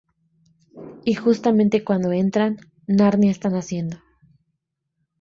Y justamente cuando entran, Narnia está naciendo.